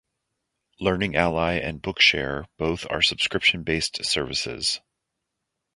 Learning Ally and Bookshare both are subscription-based services.